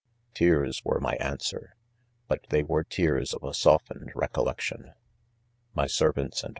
Tears were .my answer, but they were tears of a softened recollection. My servants and.